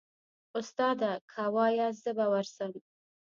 استاده که واياست زه به ورسم.